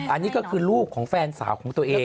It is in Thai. อันนี้ก็คือลูกของแฟนสาวของตัวเอง